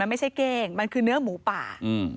ไม่ใช่เก้งมันคือเนื้อหมูป่า